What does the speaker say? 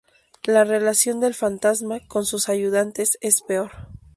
La relación del "Fantasma" con sus ayudantes es peor.